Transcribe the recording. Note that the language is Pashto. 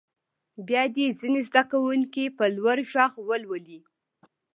بیا دې ځینې زده کوونکي په لوړ غږ ولولي.